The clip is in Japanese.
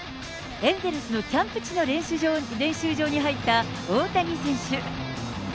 エンゼルスのキャンプ地の練習場に入った大谷選手。